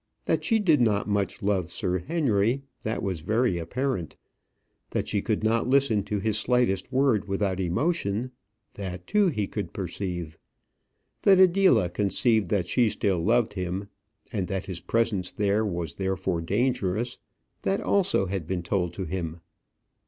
That she did not much love Sir Henry, that was very apparent; that she could not listen to his slightest word without emotion that, too, he could perceive; that Adela conceived that she still loved him, and that his presence there was therefore dangerous that also had been told to him.